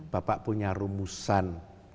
bapak punya rumusan